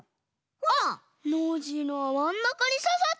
あっノージーのはまんなかにささってる！